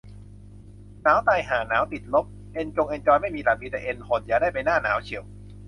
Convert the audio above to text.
หนาวตายห่า หนาวติดลบ เอ็นจงเอ็นจอยไม่มีอะ มีแต่เอ็นหด อย่าได้ไปหน้าหนาวเชียว